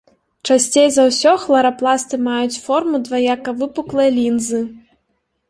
Часцей за ўсё хларапласты маюць форму дваякавыпуклай лінзы.